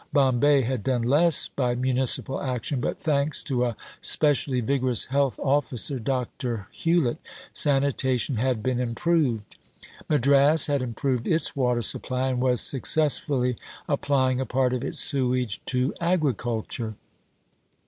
Bombay had done less by municipal action, but thanks to a specially vigorous Health Officer, Dr. Hewlett, sanitation had been improved. Madras had improved its water supply and was successfully applying a part of its sewage to agriculture.